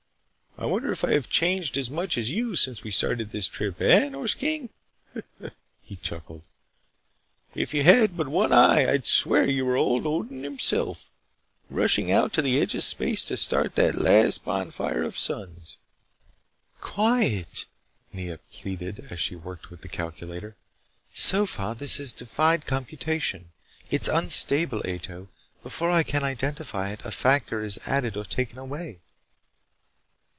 I wonder if I have changed as much as you since we started this trip. Eh, Nors King," he chuckled, "if you had but one eye, I would swear that you were old Odin himself, rushing out to the edge of space to start that last bonfire of suns." "Quiet," Nea pleaded as she worked with the calculator. "So far this has defied computation. It's unstable, Ato. Before I can identify it, a factor is added or taken away."